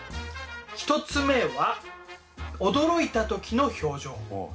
１つ目は驚いた時の表情。